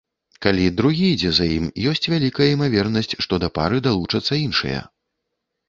Калі другі ідзе за ім, ёсць вялікая імавернасць, што да пары далучацца іншыя.